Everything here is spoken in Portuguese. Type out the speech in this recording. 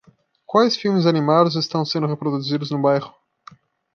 Quais filmes animados estão sendo reproduzidos no bairro?